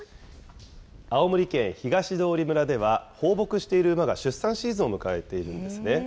青森県東通村では、放牧している馬が出産シーズンを迎えているんですね。